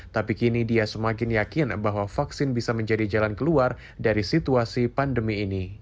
tapi kini dia semakin yakin bahwa vaksin bisa menjadi jalan keluar dari situasi pandemi ini